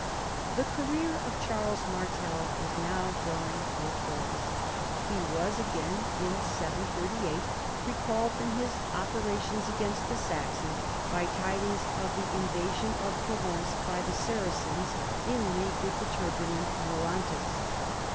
The career of Charles Martel was now drawing to a close. He was again, in 738, recalled from his operations against the Saxons, by tidings of the in vasion of Provence by the Saracens in league Avith the turbulent Maurontus.